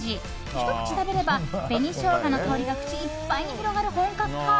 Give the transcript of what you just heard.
ひと口食べれば紅ショウガの香りが口いっぱいに広がる本格派。